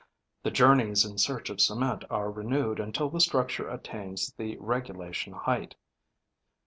The journeys in search of cement are renewed until the structure attains the regulation height.